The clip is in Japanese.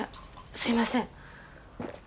すいません。